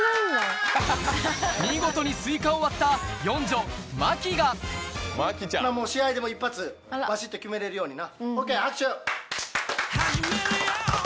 見事にスイカを割った四女、試合でも一発、ばしって決めれるようにな。